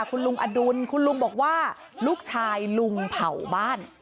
คุณลุงอดุลคุณลุงบอกว่าลูกชายลุงเผาบ้าน